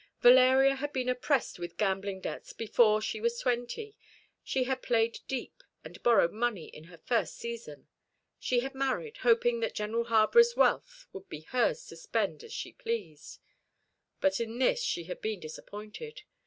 Valeria had been oppressed with gambling debts before she was twenty. She had played deep, and borrowed money in her first season. She had married, hoping that General Harborough's wealth would be hers to spend as she pleased; but in this she had been disappointed.